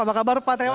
apa kabar pak trewan